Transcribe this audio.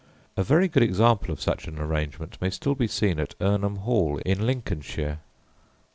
A very good example of such an arrangement may still be seen at Irnham Hall, in Lincolnshire.